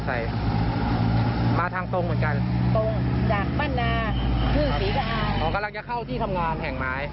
อ๋อกำลังจะเข้าที่ทำงานแห่งไม้